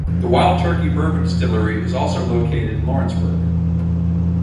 The Wild Turkey bourbon distillery is also located in Lawrenceburg.